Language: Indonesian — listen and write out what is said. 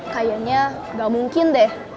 kayanya gak mungkin deh